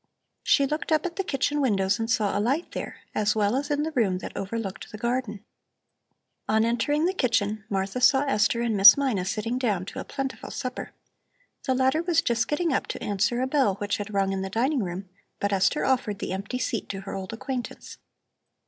She looked up at the kitchen windows and saw a light there, as well as in the room that overlooked the garden. On entering the kitchen Martha saw Esther and Miss Mina sitting down to a plentiful supper. The latter was just getting up to answer a bell which had rung in the dining room, but Esther offered the empty seat to her old acquaintance.